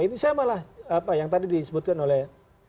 ini saya malah apa yang tadi disebutkan oleh